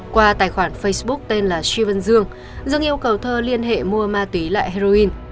qua tài khoản facebook tên là syvern dương dương yêu cầu thơ liên hệ mua ma túy lại heroin